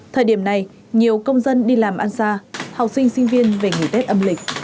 thời điểm này nhiều công dân đi làm ăn xa học sinh sinh viên về nghỉ tết âm lịch